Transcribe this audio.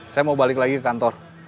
saya mau balik lagi ke kantor